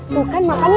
tuh kan makan ya